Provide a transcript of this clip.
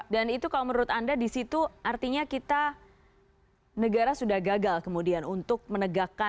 dan itu kalau menurut anda di situ artinya kita negara sudah gagal kemudian untuk menegakkan hukum ini